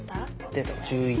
出た１１！